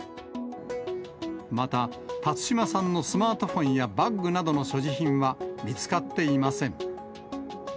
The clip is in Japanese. また、辰島さんのスマートフォンやバッグなどの所持品は見つかっていません。